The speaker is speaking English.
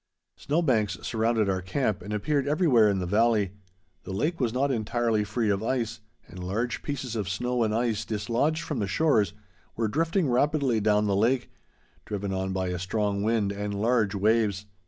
Snow banks surrounded our camp and appeared everywhere in the valley. The lake was not entirely free of ice, and large pieces of snow and ice, dislodged from the shores, were drifting rapidly down the lake, driven on by a strong wind and large waves.